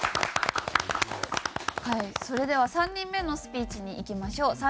はいそれでは３人目のスピーチにいきましょう。